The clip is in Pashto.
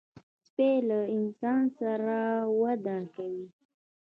سپي له انسان سره وده کوي.